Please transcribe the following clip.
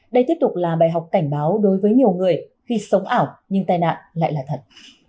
đây tiếp tục là bài học cảnh báo đối với nhiều người khi sống ảo nhưng tai nạn lại là thật